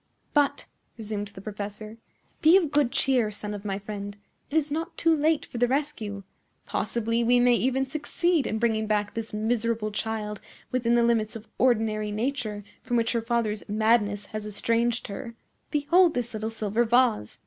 "But," resumed the professor, "be of good cheer, son of my friend. It is not yet too late for the rescue. Possibly we may even succeed in bringing back this miserable child within the limits of ordinary nature, from which her father's madness has estranged her. Behold this little silver vase!